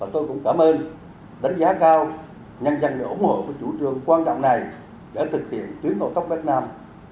tôi cũng cảm ơn đánh giá cao nhân dân đã ủng hộ chủ trương quan trọng này để thực hiện tuyến cao tốc bắc nam